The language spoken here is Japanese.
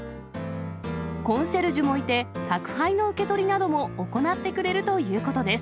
コンシェルジュもいて、宅配の受け取りなども行ってくれるということです。